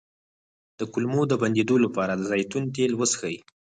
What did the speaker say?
د کولمو د بندیدو لپاره د زیتون تېل وڅښئ